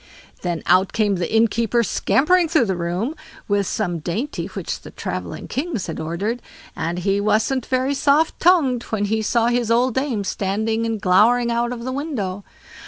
Then out came the innkeeper, scampering through the room, with some dainty which the travelling kings had ordered, and he wasn't very soft tongued when he saw his old dame standing and glowering out of the window.